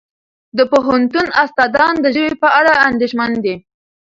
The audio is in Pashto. د پوهنتون استادان د ژبې په اړه اندېښمن دي.